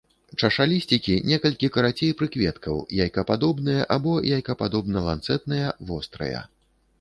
Чашалісцікі некалькі карацей прыкветкаў, яйкападобныя або яйкападобна-ланцэтныя, вострыя.